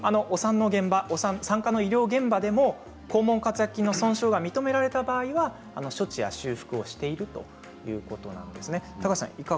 産科の医療現場でも肛門括約筋の損傷が認められた場合は処置や修復をしているということですね。